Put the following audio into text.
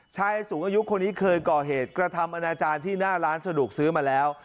ชายสูงอายุคนนี้เคยก่อเหตุกระทำอนาจารย์ที่หน้าร้านสะดวกซื้อมาแล้ว